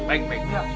baik baik ya